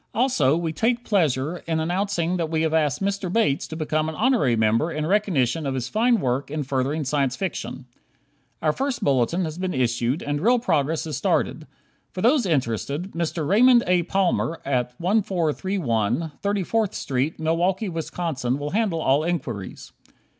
Also, we take pleasure in announcing that we have asked Mr. Bates to become an honorary member in recognition of his fine work in furthering Science Fiction. Our first bulletin has been issued and real progress is started. For those interested, Mr. Raymond A. Palmer at 1431 34th St., Milwaukee, Wisconsin, will handle all inquiries.